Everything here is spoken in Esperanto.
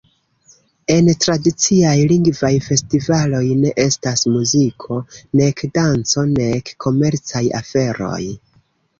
En tradiciaj Lingvaj Festivaloj ne estas muziko, nek danco, nek komercaj aferoj.